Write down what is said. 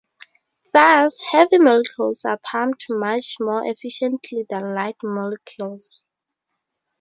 Thus, heavy molecules are pumped much more efficiently than light molecules.